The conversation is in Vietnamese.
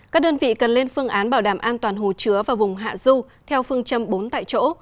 các đơn vị cần lên phương án bảo đảm an toàn hồ chứa và vùng hạ du theo phương châm bốn tại chỗ